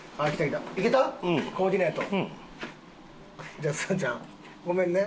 じゃあすずちゃんごめんね。